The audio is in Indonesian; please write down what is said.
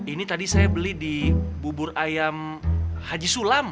ini tadi saya beli di bubur ayam haji sulam